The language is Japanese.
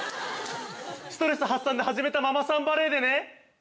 ストレス発散で始めたママさんバレーでね